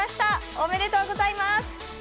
おめでとうございます！